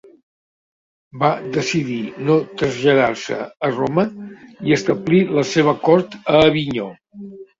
Va decidir no traslladar-se a Roma i va establir la seva cort a Avinyó.